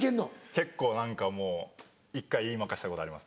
結構何かもう１回言い負かしたことあります。